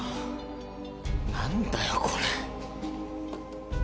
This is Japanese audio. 何だよこれ。